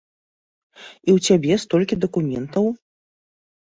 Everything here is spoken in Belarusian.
І ў цябе столькі дакументаў?